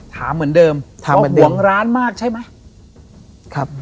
ถามเหมือนเดิมถามเหมือนเดิมเขาหวงร้านมากใช่ไหมครับ